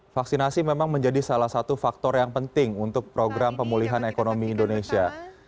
vaksinasi memang menjadi salah satu faktor yang penting untuk program pemulihan ekonomi indonesia